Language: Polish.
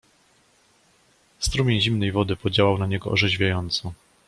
"Strumień zimnej wody podziałał na niego orzeźwiająco."